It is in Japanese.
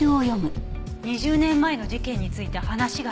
「２０年前の事件について話がしたい」